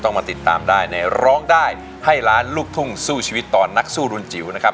มาติดตามได้ในร้องได้ให้ล้านลูกทุ่งสู้ชีวิตต่อนักสู้รุนจิ๋วนะครับ